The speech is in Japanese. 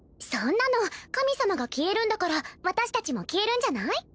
そんなの神様が消えるんだから私達も消えるんじゃない？